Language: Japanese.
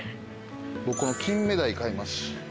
僕キンメダイ買います。